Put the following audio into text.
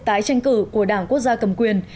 tái tranh cử của đảng quốc gia cầm quyền